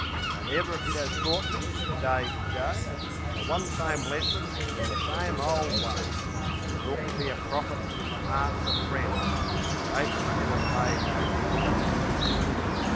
An' ever it 'as taught me, day be day, The one same lesson in the same ole way: "Look fer yer profits in the 'earts o' friends, Fer 'atin' never paid no dividends."